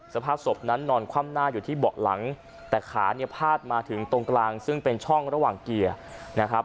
สภาพศพนั้นนอนคว่ำหน้าอยู่ที่เบาะหลังแต่ขาเนี่ยพาดมาถึงตรงกลางซึ่งเป็นช่องระหว่างเกียร์นะครับ